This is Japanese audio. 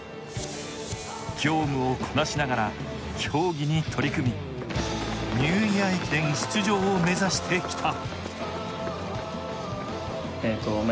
業務をこなしがら競技に取り組み、ニューイヤー駅伝出場を目指してきた。